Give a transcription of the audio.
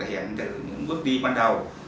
hiển từ những bước đi ban đầu